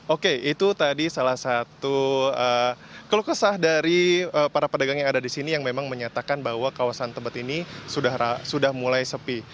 oke itu tadi salah satu keluh kesah dari para pedagang yang ada di sini yang memang menyatakan bahwa kawasan tebet ini sudah mulai sepi